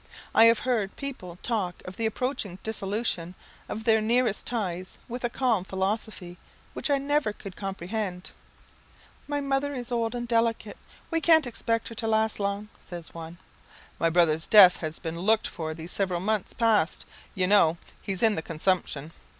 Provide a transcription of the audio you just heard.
I have heard people talk of the approaching dissolution of their nearest ties with a calm philosophy which I never could comprehend. "Mother is old and delicate; we can't expect her to last long," says one. "My brother's death has been looked for these several months past; you know he's in the consumption."